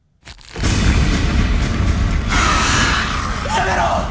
やめろ！